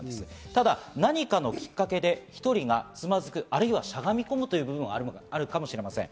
ただ何かのきっかけで１人がつまずく、あるいはしゃがみ込むということはあるかもしれません。